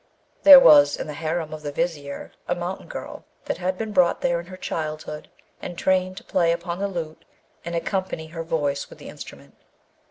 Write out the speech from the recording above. There was in the harem of the Vizier a mountain girl that had been brought there in her childhood, and trained to play upon the lute and accompany her voice with the instrument.